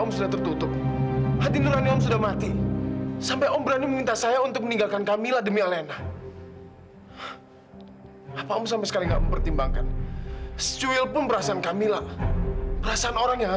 sampai jumpa di video selanjutnya